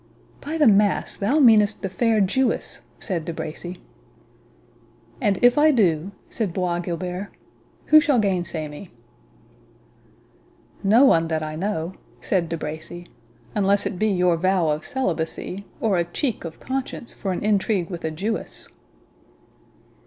"By the mass, thou meanest the fair Jewess!" said De Bracy. "And if I do," said Bois Guilbert, "who shall gainsay me?" "No one that I know," said De Bracy, "unless it be your vow of celibacy, or a check of conscience for an intrigue with a Jewess."